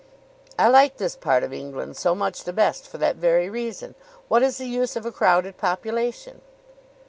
"I like this part of England so much the best for that very reason. What is the use of a crowded population?"